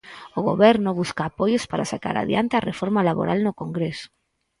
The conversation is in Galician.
O Goberno busca apoios para sacar adiante a reforma laboral no Congreso.